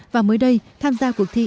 và mới đây tham gia cuộc thi